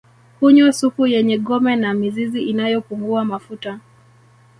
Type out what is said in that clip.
Hunywa supu yenye gome na mizizi inayopungua mafuta